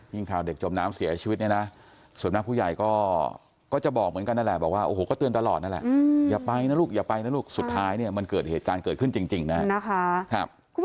ข่าวเด็กจมน้ำเสียชีวิตเนี่ยนะส่วนมากผู้ใหญ่ก็จะบอกเหมือนกันนั่นแหละบอกว่าโอ้โหก็เตือนตลอดนั่นแหละอย่าไปนะลูกอย่าไปนะลูกสุดท้ายเนี่ยมันเกิดเหตุการณ์เกิดขึ้นจริงนะครับ